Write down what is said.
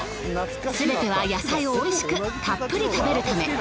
すべては野菜を美味しくたっぷり食べるため。